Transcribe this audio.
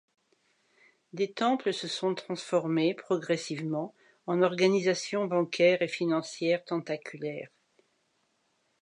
Des temples se sont transformés, progressivement, en organisations bancaires et financières tentaculaires.